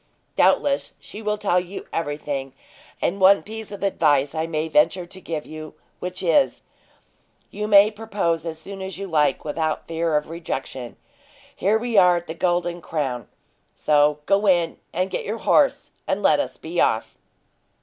Doubtless, she will tell you everything, and one piece of advice I may venture to give you, which is, you may propose as soon as you like without fear of rejection. Here we are at the Golden Crown, so go in and get your horse, and let us be off."